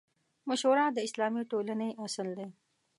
مشوره د اسلامي ټولنې اصل دی.